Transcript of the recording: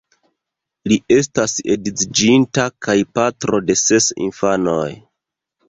Li estas edziĝinta kaj patro de ses infanoj.